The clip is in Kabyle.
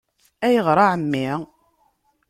-Ayɣer a Ɛemmi?